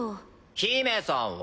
姫さんは？